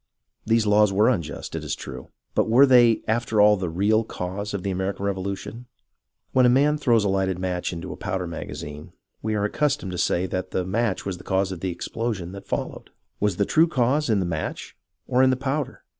These laws were unjust, it is true, but were they, after all, the real cause of the American Revolution .'' When a man throws a lighted match into a powder magazine, we are accustomed to say that the match was the cause of the explosion that followed. Was the true cause in the match or in the powder